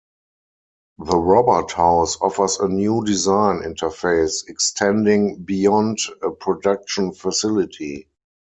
The Robot House offers a new design interface extending beyond a production facility.